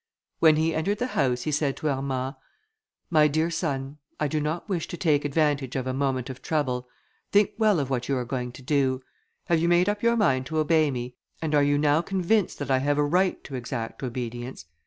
When he entered the house, he said to Armand, "My dear son, I do not wish to take advantage of a moment of trouble; think well of what you are going to do: have you made up your mind to obey me, and are you now convinced that I have a right to exact obedience?